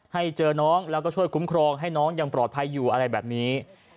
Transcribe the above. ให้เจอน้องแล้วก็ช่วยคุ้มครองให้น้องยังปลอดภัยอยู่อะไรแบบนี้